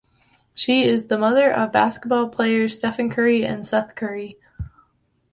She is the mother of basketball players Stephen Curry and Seth Curry.